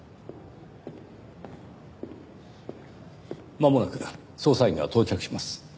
まもなく捜査員が到着します。